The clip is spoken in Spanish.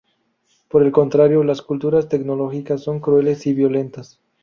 Por el contrario, las culturas tecnológicas son crueles y violentas.